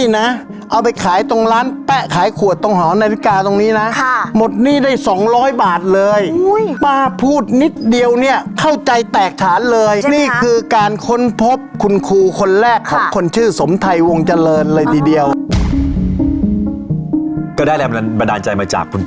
นางก็ได้๘๐๐๐จ้ะขอเท่าไหร่ได้เท่านั้น